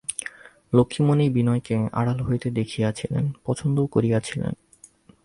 লক্ষ্ণীমণি বিনয়কে আড়াল হইতে দেখিয়াছিলেন, পছন্দও করিয়াছিলেন।